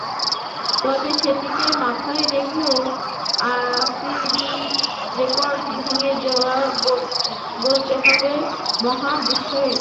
তবে সেটিকে মাথায় রেখেও আফ্রিদির রেকর্ড ভেঙে দেওয়াটা বলতে হবে মহাবিস্ময়।